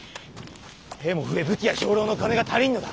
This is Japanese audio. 兵も増え武器や兵糧の金が足りぬのだ。